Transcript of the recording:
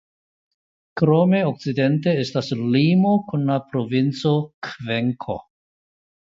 Krome okcidente estas limo kun la provinco Kvenko.